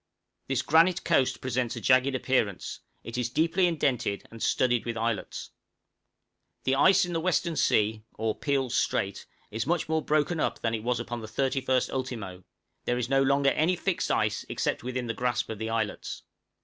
This granite coast presents a jagged appearance; it is deeply indented and studded with islets. The ice in the western sea (or Peel's Strait) is much more broken up than it was upon the 31st ultimo; there is no longer any fixed ice except within the grasp of the islets.